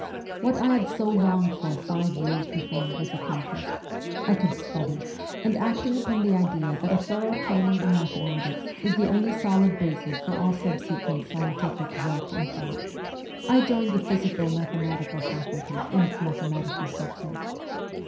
What I had so longed for five years before was accomplished : I could study ; and, acting upon the idea that a thorough training in mathematics is the only solid basis for all subsequent scientific work and thought, I joined the physico mathematical faculty in its mathematical section.